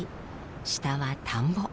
下は田んぼ。